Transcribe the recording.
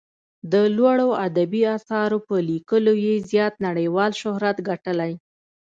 د لوړو ادبي اثارو په لیکلو یې زیات نړیوال شهرت ګټلی.